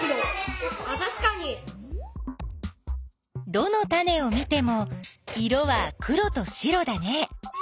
どのタネを見ても色は黒と白だね。